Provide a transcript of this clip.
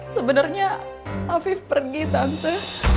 sebenernya afif pergi tante